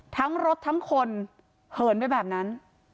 ทั้งรถทั้งคนเหินไปแบบนั้น